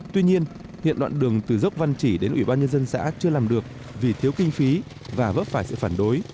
tuy nhiên hiện đoạn đường từ dốc văn chỉ đến ủy ban nhân dân xã chưa làm được vì thiếu kinh phí và vấp phải sự phản đối